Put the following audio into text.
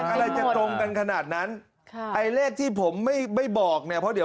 อะไรจะตรงกันขนาดนั้นค่ะไอ้เลขที่ผมไม่ไม่บอกเนี่ยเพราะเดี๋ยว